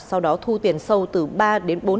sau đó thu tiền sâu từ bộ phòng